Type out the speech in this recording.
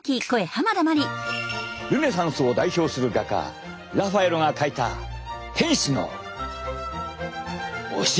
ルネサンスを代表する画家ラファエロが描いた天使のお尻。